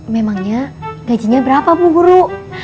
memangnya gajinya berapa bu guru